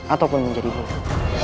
ataupun menjadi buruk